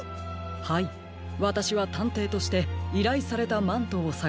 はいわたしはたんていとしていらいされたマントをさがします。